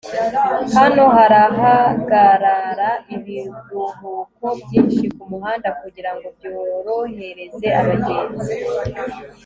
hano harahagarara ibiruhuko byinshi kumuhanda kugirango byorohereze abagenzi